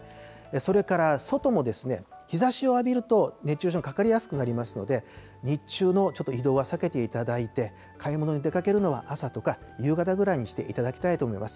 それから外も、日ざしを浴びると、熱中症にかかりやすくなりますので、日中のちょっと移動は避けていただいて、買い物に出かけるのは、朝とか夕方ぐらいにしていただきたいと思います。